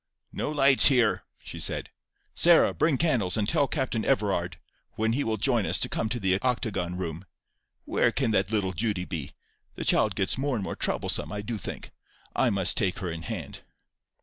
"No lights here!" she said. "Sarah, bring candles, and tell Captain Everard, when he will join us, to come to the octagon room. Where can that little Judy be? The child gets more and more troublesome, I do think. I must take her in hand."